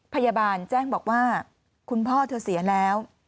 พยาบาลแจ้งบอกว่าคุณพ่อเธอเสียแล้ว